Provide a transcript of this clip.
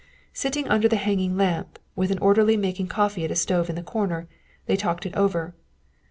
Sitting under the hanging lamp, with an orderly making coffee at a stove in the corner, they talked it over.